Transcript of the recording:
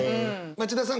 町田さん